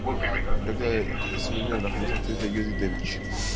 Rebekah es sobrina de la famosa actriz Judi Dench.